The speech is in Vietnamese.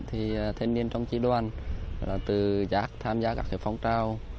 thì thanh niên trong trí đoàn từ giác tham gia các phong trào